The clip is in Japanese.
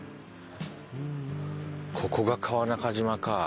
ここが川中島か。